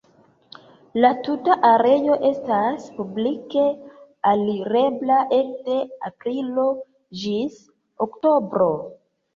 La tuta areo estas publike alirebla ekde aprilo ĝis oktobro.